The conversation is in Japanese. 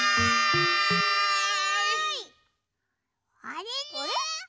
あれ？